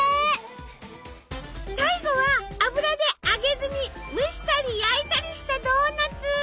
最後は油で揚げずに蒸したり焼いたりしたドーナツ。